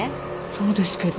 そうですけど